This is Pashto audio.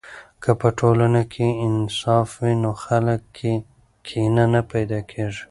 که په ټولنه کې انصاف وي، نو خلکو کې کینه نه پیدا کیږي.